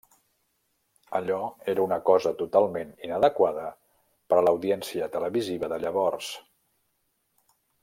Allò era una cosa totalment inadequada per a l'audiència televisiva de llavors.